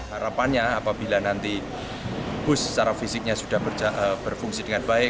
harapannya apabila nanti bus secara fisiknya sudah berfungsi dengan baik